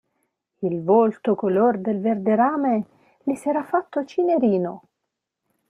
Il volto color del verderame gli si era fatto cinerino.